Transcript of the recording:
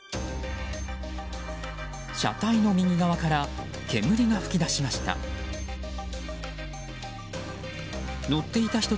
車体の右側から煙が噴き出しました。